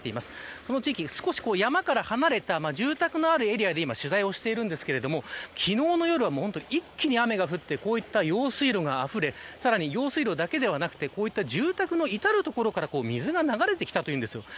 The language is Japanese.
その地域、少し山から離れた住宅のあるエリアで取材をしていますが昨日夜は一気に雨が降ってこういった用水路があふれさらに用水路だけではなくてこういった住宅の至る所に水が流れてきたというんです。